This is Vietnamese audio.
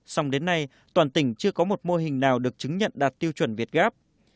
xong đến nay toàn tỉnh chưa có một mô hình nào được chứng nhận đạt tiêu chuẩn việt gáp